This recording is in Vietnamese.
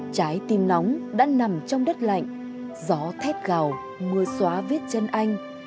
trái tim nóng đã nằm trong đất lạnh gió thép gào mưa xóa viết chân anh